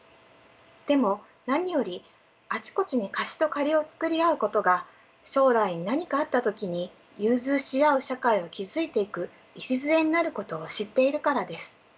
でも何よりあちこちに貸しと借りをつくり合うことが将来に何かあった時に融通し合う社会を築いていく礎になることを知っているからです。